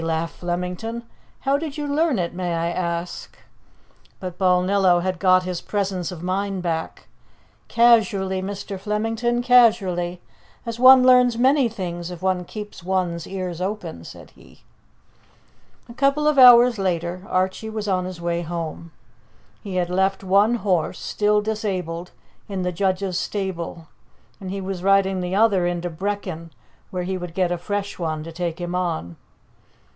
laughed Flemington. "How did you learn it, may I ask?" But Balnillo had got his presence of mind back. "Casually, Mr. Flemington, casually as one learns many things, if one keeps one's ears open," said he. A couple of hours later Archie was on his way home. He had left one horse, still disabled, in the judge's stable, and he was riding the other into Brechin, where he would get a fresh one to take him on.